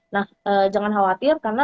nah jangan khawatir karena